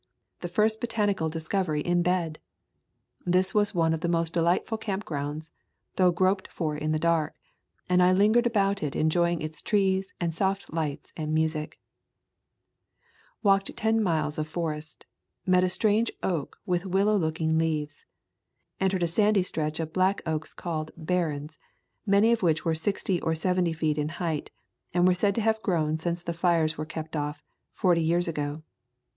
The first bo tanical discovery in bed! This was one of the most delightful camp grounds, though groped for in the dark, and I lingered about it enjoying its trees and soft lights and music. Walked ten miles of forest. Met a strange oak with willow looking leaves. Entered a sandy stretch of black oak called "Barrens," many of which were sixty or seventy feet in height, and are said to have grown since the fires were kept off, forty years ago.